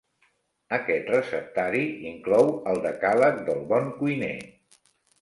Aquest receptari inclou el decàleg del bon cuiner.